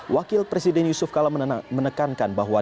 wakil presiden yusuf kala menekankan bahwa